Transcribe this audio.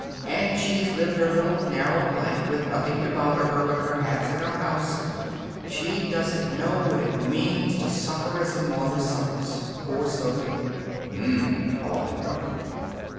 "And she's lived her little, narrow life, with nothing to bother her but her hats and her house. She doesn't know what it means to suffer as a mother suffers poor Sophy." "Um," Baldwin grunted.